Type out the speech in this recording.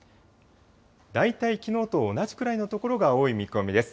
大体きのうと同じくらいの所が多い見込みです。